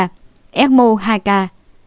số bệnh nhân khỏi bệnh nhân